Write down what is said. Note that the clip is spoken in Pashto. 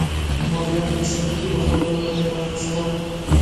ماريا د شېرګل له خبرو حيرانه شوه.